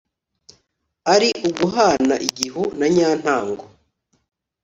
ari uguhana igihu cya nyantango